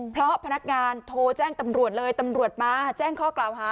เพราะพนักงานโทรแจ้งตำรวจเลยตำรวจมาแจ้งข้อกล่าวหา